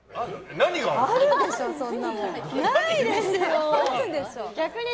ないですよ。